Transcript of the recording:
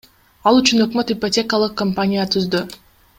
Ал үчүн өкмөт ипотекалык компания түздү.